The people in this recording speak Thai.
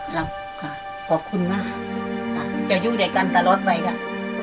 ได้ค่ะขอบคุณนะจะยู่ได้กันตลอดไปน่ะ